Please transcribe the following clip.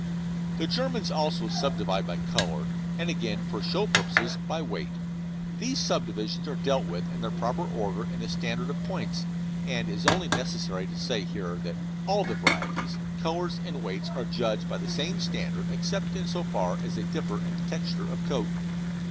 The Germans also subdivide by colour, and again for show purposes by weight. These subdivisions are dealt with in their proper order in the standard of points, and it is only necessary to say here that all the varieties, colours, and weights are judged by the same standard except in so far as they differ in texture of coat.